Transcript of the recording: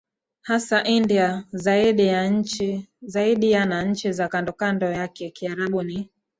hasa India zaidi ya na nchi za kandokando yakeKiarabu ni